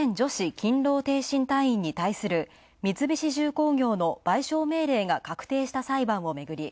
勤労逓信対する三菱重工業の賠償命令が確定した裁判を巡り